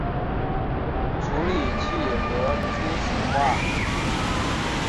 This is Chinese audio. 处理器核初始化